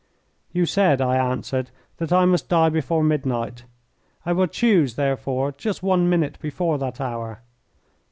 "You said," I answered, "that I must die before midnight. I will choose, therefore, just one minute before that hour."